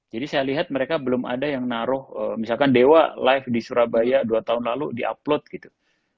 jadi saya lihat mereka belum ada yang naruh misalkan dewa live di surabaya dua tahun lalu di upload gitu